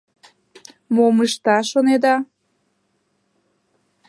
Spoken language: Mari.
Мом ышта, шонеда?